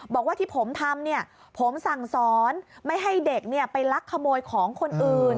บอกว่าที่ผมทำเนี่ยผมสั่งสอนไม่ให้เด็กไปลักขโมยของคนอื่น